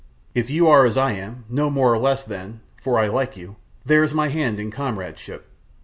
If you are as I am, no more nor less then for I like you there's my hand in comradeship.